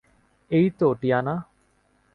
এইতো, টিয়ানা।